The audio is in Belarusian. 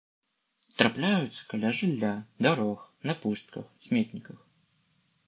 Трапляюцца каля жылля, дарог, на пустках, сметніках.